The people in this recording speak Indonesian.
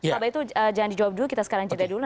pak baitu jangan dijawab dulu kita sekarang jeda dulu